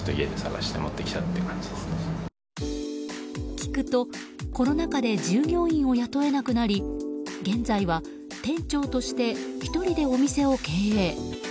聞くと、コロナ禍で従業員を雇えなくなり現在は店長として１人でお店を経営。